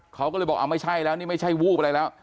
เขาก็เลยบอกเอาไม่ใช่แล้วนี่ไม่ใช่วูบอะไรแล้ว